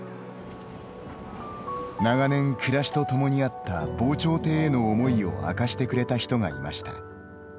長年、暮らしと共にあった防潮堤への思いを明かしてくれた人がいました。